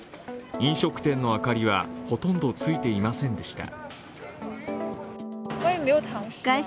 飲食店の明かりはほとんどついていませんでした。